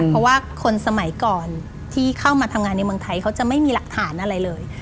เพราะว่าคนสมัยก่อนที่เข้ามาทำงานในเมืองไทยเขาจะไม่มีหลักฐานอะไรเลย